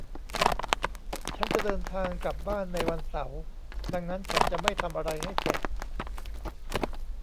ฉันจะเดินทางกลับบ้านในวันเสาร์ดังนั้นฉันจะไม่ทำอะไรให้เสร็จ